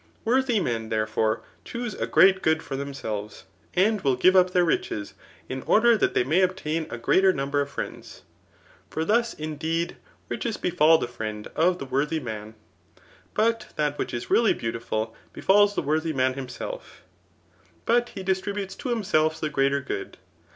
Worthy men, therefore, choose a great good for themselves ; and will give up thdr riches in order that they may obtain a greater number of friends. Foe thus, indeed, riqhes befal Digitized by Google CRA1^ mi. fiTincs. tht friend of the worthy man, but that which is really beautiful befiails the worthy man himself; but he distri butes to himself the greater good.